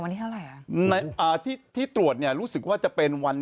ที่เท่าไหร่อ่ะอ่าที่ที่ตรวจเนี่ยรู้สึกว่าจะเป็นวัน